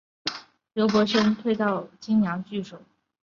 刘伯升退到棘阳据守。